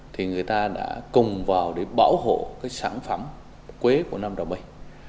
thì người ta đã cùng vào để bảo hộ sản phẩm quế của nam đồng my